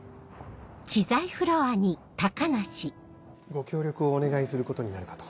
ご協力をお願いすることになるかと。